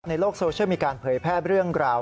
ในโลกโซเชียลมีการเผยแพร่เรื่องราว